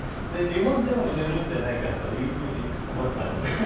日本でも売れるんじゃないかというふうに思ったわけです。